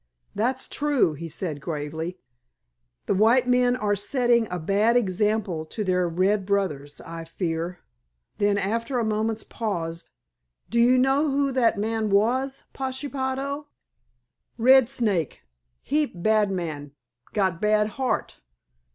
"That's true," he said gravely, "the white men are setting a bad example to their red brothers, I fear." Then after a moment's pause, "Do you know who that man was, Pashepaho?" "Red Snake. Heap bad man. Got bad heart.